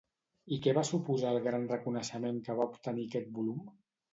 I què va suposar el gran reconeixement que va obtenir aquest volum?